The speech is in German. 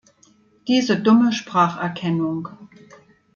Diese dumme Spracherkennung.